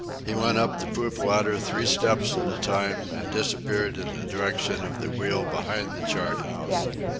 He went up the poop ladder three steps at a time and disappeared in the direction of the wheel behind the chart house.